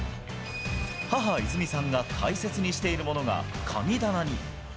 母、いずみさんが大切にしているものが神棚に。